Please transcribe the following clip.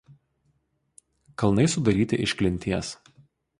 Kalnai sudaryti iš klinties.